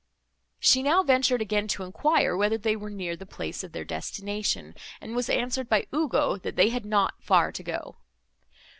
She now ventured again to enquire, whether they were near the place of their destination, and was answered by Ugo, that they had not far to go.